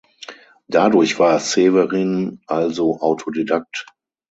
Dadurch war Severin also Autodidakt.